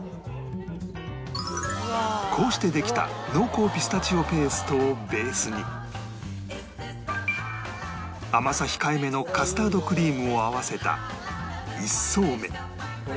こうしてできた濃厚ピスタチオペーストをベースに甘さ控えめのカスタードクリームを合わせた１層目